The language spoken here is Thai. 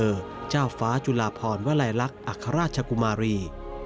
พระเจ้าลูกเถอเจ้าฟ้าจุลาพรวลัยลักษณ์อัคราชกุมารี